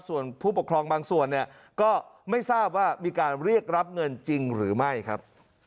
ส่วนผู้ปกครองบางส่วนเนี่ยก็ไม่ทราบว่ามีการเรียกรับเงินจริงหรือไม่ครับ